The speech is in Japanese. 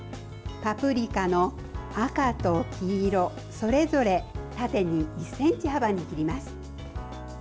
パプリカの赤と黄色それぞれ縦に１ｃｍ幅に切ります。